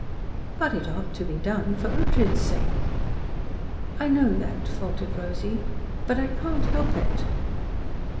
"But it ought to be done for Ughtred's sake." "I know that," faltered Rosy, "but I can't help it."